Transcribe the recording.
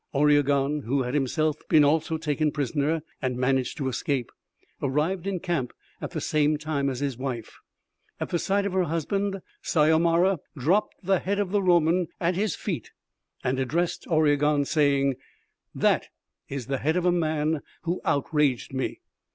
Oriegon, who had himself been also taken prisoner and managed to escape, arrived in camp at the same time as his wife. At the sight of her husband, Syomara dropped the head of the Roman at his feet and addressed Oriegon saying: 'That is the head of a man who outraged me....